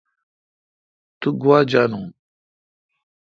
تو گوا جانون۔